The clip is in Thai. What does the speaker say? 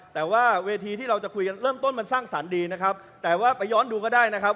แต่ว่าเวทีที่เราจะคุยกันเริ่มต้นมันสร้างสรรค์ดีนะครับแต่ว่าไปย้อนดูก็ได้นะครับ